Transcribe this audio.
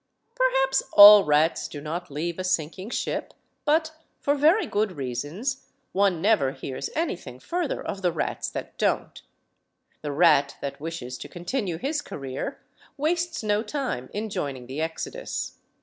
Perhaps all rats do not leave a sinking ship; but, for very good reasons, one never hears anything fur ther of the rats that don't. The rat that wishes to continue his career wases no time in joining the exodus.